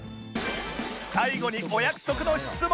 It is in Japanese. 最後にお約束の質問